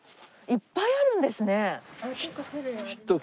いっぱいあるんですね。